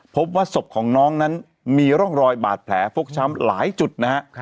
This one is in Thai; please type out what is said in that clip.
พบว่าศพของน้องนั้นมีร่องรอยบาดแผลฟกช้ำหลายจุดนะฮะ